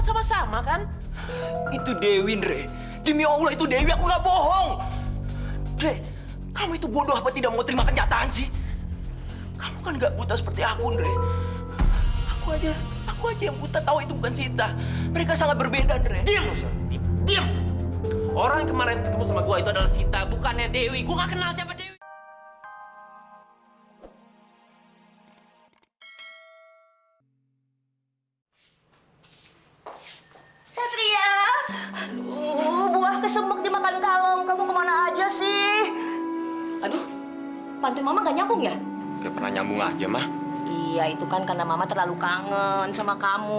sampai jumpa di video selanjutnya